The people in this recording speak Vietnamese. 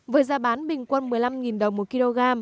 với giá bán bình quân một mươi năm đồng một kg